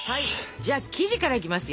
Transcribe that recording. じゃあ生地からいきますよ。